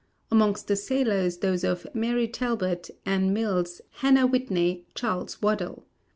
Amongst the sailors those of Mary Talbot, Ann Mills, Hannah Whitney, Charles Waddell.